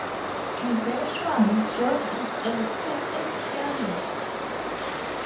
Eventually John is elected as sheriff.